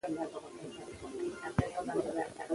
ازادي راډیو د د ځنګلونو پرېکول د تحول لړۍ تعقیب کړې.